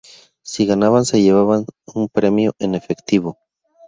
Si ganaban se llevaban un premio en efectivo.